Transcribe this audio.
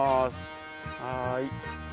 はい。